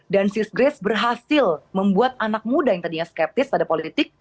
dan sis grace berhasil membuat anak muda yang tadinya skeptis pada politik